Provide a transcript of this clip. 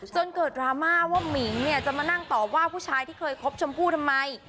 จนเกิดดราม่าว่าหมิงเนี่ยจะมานั่งตอบว่าผู้ชายที่เคยคบชมพู่ทำไม